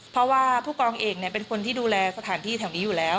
เพราะว่าผู้กองเอกเป็นคนที่ดูแลสถานที่แถวนี้อยู่แล้ว